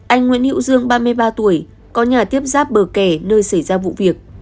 anh nguyễn hữu dương ba mươi ba tuổi có nhà tiếp giáp bờ kẻ nơi xảy ra vụ việc